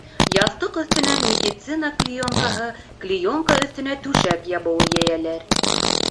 Яҫтыҡ өҫтөнән медицина клеенкаһы, клеенка өҫтөнә түшәк ябыуы йәйәләр.